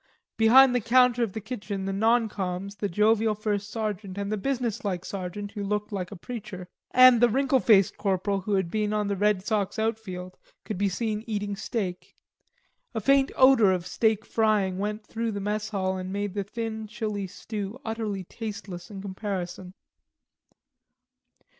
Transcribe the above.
Behind the counter of the kitchen the non coms, the jovial first sergeant, and the businesslike sergeant who looked like a preacher, and the wrinkled faced corporal who had been on the Red Sox outfield, could be seen eating steak. A faint odor of steak frying went through the mess hall and made the thin chilly stew utterly tasteless in comparison.